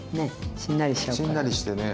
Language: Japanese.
しんなりしてね。